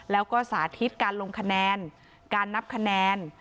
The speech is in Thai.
แล้วก็สาธิตการลงคะแนนการนับคะแนน